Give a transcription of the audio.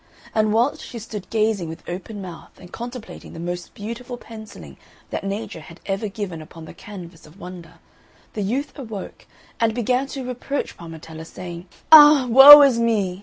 And whilst she stood gazing with open mouth, and contemplating the most beautiful pencilling that Nature had ever given upon the canvas of Wonder, the youth awoke, and began to reproach Parmetella, saying, "Ah, woe is me!